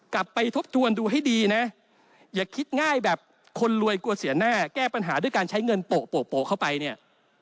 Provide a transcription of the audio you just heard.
ไปทบทวนดูให้ดีนะอย่าคิดง่ายแบบคนรวยกลัวเสียแน่แก้ปัญหาด้วยการใช้เงินโปะเข้าไปเนี่ย